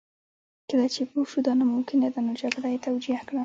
کله چې پوه شو دا ناممکنه ده نو جګړه یې توجیه کړه